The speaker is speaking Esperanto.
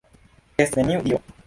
Estas neniu Dio!